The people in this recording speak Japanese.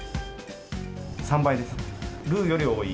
３倍です。